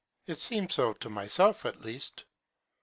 It seems so to myself at least.